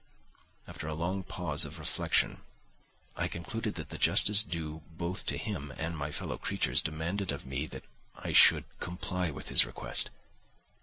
After a long pause of reflection I concluded that the justice due both to him and my fellow creatures demanded of me that I should comply with his request.